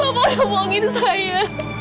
bapak udah bohongin saya